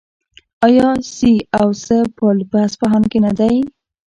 آیا سي او سه پل په اصفهان کې نه دی؟